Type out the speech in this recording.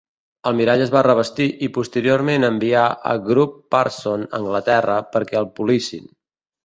El mirall es va revestir i posteriorment enviar a Grubb-Parsons, a Anglaterra, perquè el polissin.